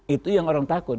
itu yang orang takut